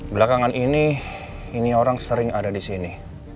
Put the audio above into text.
belakangan ini orang sering ada di sini